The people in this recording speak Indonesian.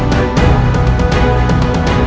bayi siang baik di dalam